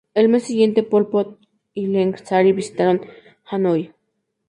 El mes siguiente, Pol Pot y Ieng Sary visitaron Hanói.